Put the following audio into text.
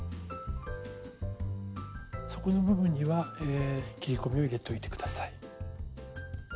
底の部分には切り込みを入れといて下さい。